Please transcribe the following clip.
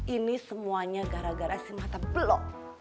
ini semuanya gara gara si mata blok